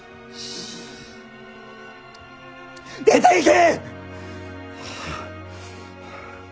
出ていけ！